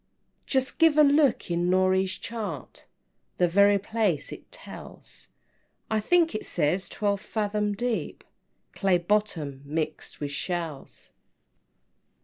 VII. "Just give a look in Norey's chart, The very place it tells; I think it says twelve fathom deep, Clay bottom, mixed with shells."